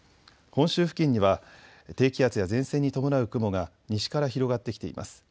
本州付近には低気圧や前線に伴う雲が西から広がってきています。